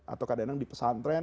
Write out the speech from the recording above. atau kadang kadang di pesantren